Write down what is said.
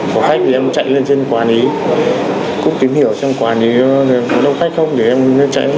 khóa khách thì em chạy lên trên quán ấy cúc tìm hiểu trong quán ấy có đông khách không thì em chạy